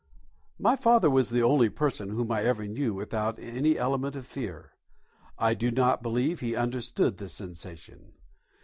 My father was the only person whom I ever knew without any element of fear. I do not believe he understood the sensation.